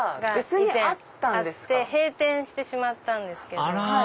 以前あって閉店してしまったんですけど。